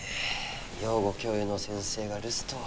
養護教諭の先生が留守とは。